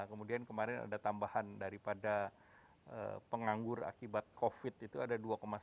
kemudian kemarin ada tambahan daripada penganggur akibat covid itu ada dua sembilan